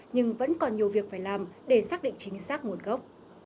nhưng vẫn còn nhiều việc phải làm để xác định chính xác nguồn gốc